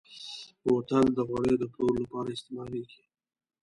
بوتل د غوړیو د پلور لپاره استعمالېږي.